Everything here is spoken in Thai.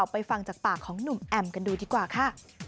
ไปฟังจากปากของหนุ่มแอมกันดูดีกว่าค่ะ